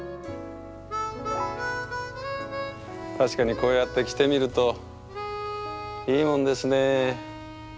確かにこうやって着てみるといいもんですね。